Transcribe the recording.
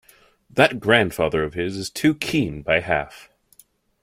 That grandfather of his is too keen by half.